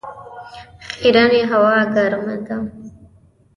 ښرنې هوا ګرمه ده؟